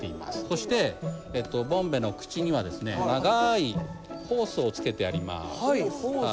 そしてボンベの口にはですね長いホースをつけてあります。